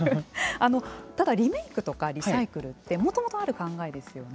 ただ、リメイクとかリサイクルってもともとある考えですよね。